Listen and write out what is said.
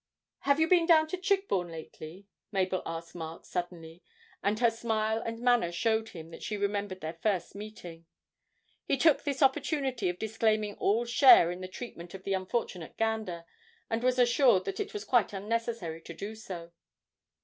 'Have you been down to Chigbourne lately?' Mabel asked Mark suddenly, and her smile and manner showed him that she remembered their first meeting. He took this opportunity of disclaiming all share in the treatment of the unfortunate gander, and was assured that it was quite unnecessary to do so.